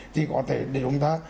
thì có thể để chúng ta